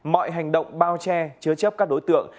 mọi hành động bao che chứa chấp các đối tượng